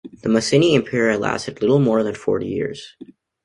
The Masina Empire had lasted little more than forty years.